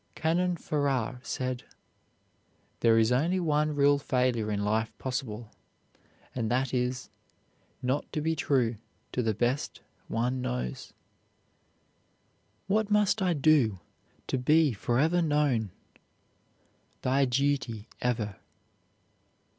Canon Farrar said, "There is only one real failure in life possible, and that is, not to be true to the best one knows." "'What must I do to be forever known?' Thy duty ever."